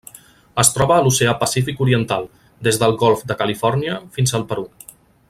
Es troba a l'Oceà Pacífic oriental: des del Golf de Califòrnia fins al Perú.